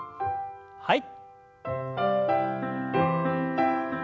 はい。